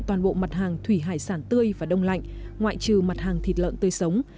toàn bộ mặt hàng thủy hải sản tươi và đông lạnh ngoại trừ mặt hàng thịt lợn tươi sống